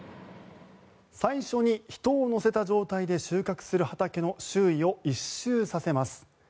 最初に人を乗せた状態で収穫する畑の周囲を１周させます。